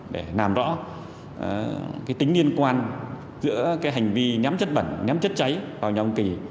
để làm rõ tính liên quan giữa hành vi nhắm chất bẩn nhắm chất cháy vào nhà ông kỳ